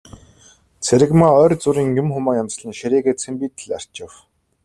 Цэрэгмаа ойр зуурын юм, хумаа янзлан ширээгээ цэмбийтэл арчив.